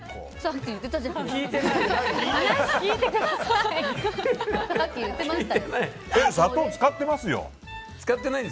話聞いてください！